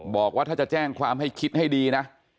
บอกว่าถ้าจะแจ้งความให้คิดให้ดีนะ